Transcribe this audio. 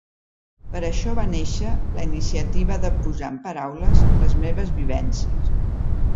Per això va néixer la iniciativa de posar en paraules les meves vivències.